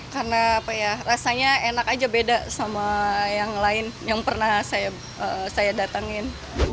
karena rasanya enak aja beda sama yang lain yang pernah saya datangin